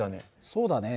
そうだね。